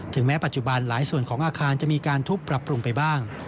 แม้ปัจจุบันหลายส่วนของอาคารจะมีการทุบปรับปรุงไปบ้าง